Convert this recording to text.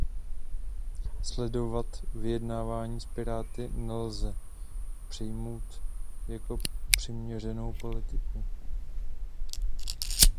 Sledovat vyjednávání s piráty nelze přijmout jako přiměřenou politiku.